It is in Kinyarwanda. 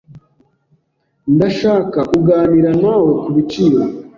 Ndashaka kuganira nawe kubiciro.